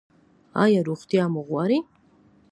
ایا روغتیا مو غواړئ؟